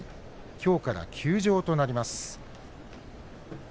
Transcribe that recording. きょうから休場となります。